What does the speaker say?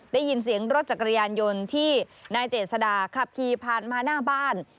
ได้ยินเสียงรถจักรยานยนต์ที่นายเจษดาขับขี่ผ่านมาหน้าบ้าน